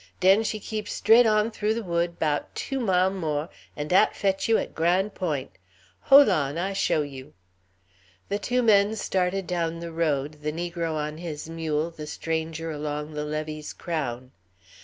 Den she keep stret on thoo de wood 'bout two mile' mo', an' dat fetch you at Gran' Point'. Hole on; I show you." The two men started down the road, the negro on his mule, the stranger along the levee's crown.